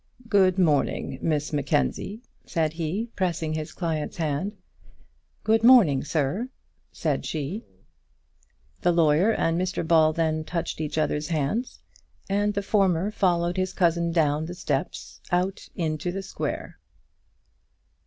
"Good morning, Miss Mackenzie," said he, pressing his client's hand. "Good morning, sir," said she. The lawyer and Mr Ball then touched each other's hands, and the former followed his cousin down the steps out into the square.